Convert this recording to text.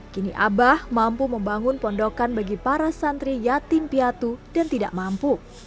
kini abah mampu membangun pondokan bagi para santri yatim piatu dan tidak mampu